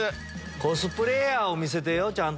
コスプレーヤーを見せてよちゃんと。